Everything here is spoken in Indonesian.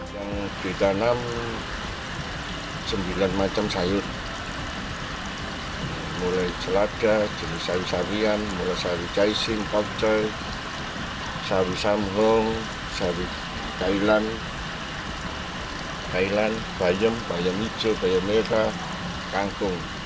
yang ditanam sembilan macam sayur mulai celada jenis sayur sayuran mulai sayur caising pokcoy sayur sambung sayur kailan kailan bayam bayam hijau bayam merah